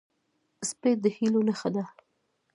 سپي د هیلو نښه ده.